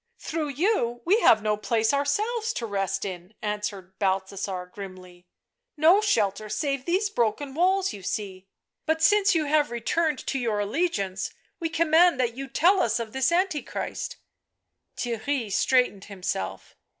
" Through you we have no place ourselves to rest in," answered Balthasar grimly. " No shelter save these broken walls you see; but since you have returned to your allegiance, we command that you tell us of this Antichrist " Theirry straightened himself.